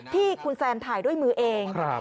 ที่คุณแซมถ่ายด้วยมือเอง